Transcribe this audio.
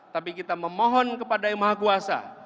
tapi kita memohon kepada yang maha kuasa